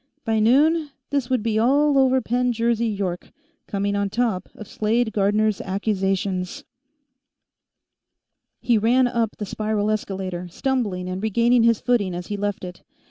By noon, this would be all over Penn Jersey York; coming on top of Slade Gardner's accusations He ran up the spiral escalator, stumbling and regaining his footing as he left it.